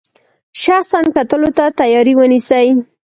شخصا کتلو ته تیاری ونیسي.